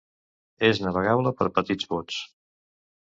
És navegable per petits bots.